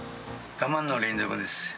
我慢の連続ですよ。